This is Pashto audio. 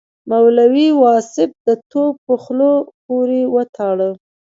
مولوي واصف د توپ په خوله پورې وتاړه.